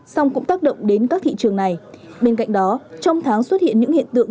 song cũng tác động đến các thị trường này bên cạnh đó trong tháng xuất hiện những hiện tượng